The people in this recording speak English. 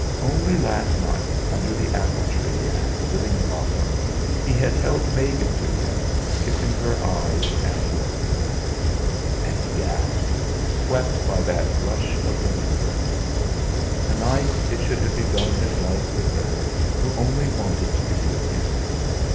Only last night, under the apple tree and the living blossom, he had held Megan to him, kissing her eyes and lips. And he gasped, swept by that rush of remembrance. To night it should have begun his life with her who only wanted to be with him!